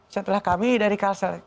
setelah kami dari kalsel